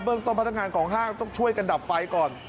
เรื่องต้นพนักงานของห้างต้องช่วยกันดับไฟก่อน